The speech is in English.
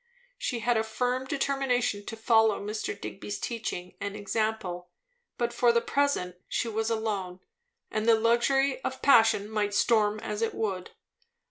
She had a firm determination to follow Mr. Digby's teaching and example; but for the present she was alone, and the luxury of passion might storm as it would.